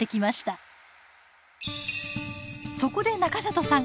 そこで中里さん